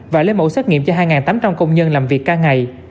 và lấy mẫu xét nghiệm cho hai tám trăm linh công nhân làm việc ca ngày